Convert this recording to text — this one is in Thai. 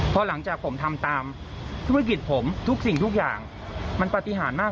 พอหลังจากผมทำตามธุรกิจผมทุกสิ่งทุกอย่างมันปฏิหารมาก